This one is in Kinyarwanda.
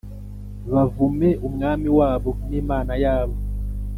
bavume umwami wabo n’Imana yabo.